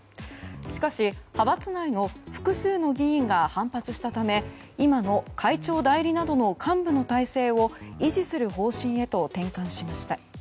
しかし派閥内の複数の議員が反発したため今の会長代理などの幹部の体制を維持する方針へと転換しました。